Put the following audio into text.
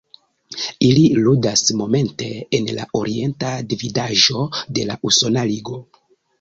Ili ludas momente en la Orienta Dividaĵo de la Usona Ligo.